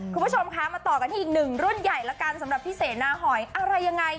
คุณผู้ชมคะมาต่อกันที่๑รุ่นใหญ่ละกันสำหรับพี่เศรษฐนาฝ่ายอะไรยังไง